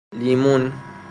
لیمون